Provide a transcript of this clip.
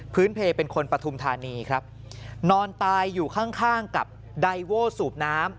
พื้นเพลย์เป็นคนปฐุมธานีนอนตายอยู่ข้างกับไดโว้สูบน้ำ